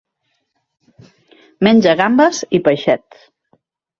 Menja gambes i peixets.